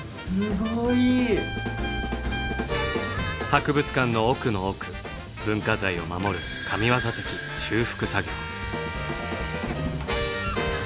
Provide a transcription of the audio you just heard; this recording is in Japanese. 博物館の奥の奥文化財を守る神業的・修復作業。